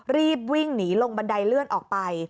รีบวิ่งหนีลงบันไดเลื่อนออกไป